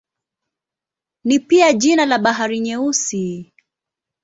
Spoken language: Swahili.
Ni pia jina la Bahari Nyeusi.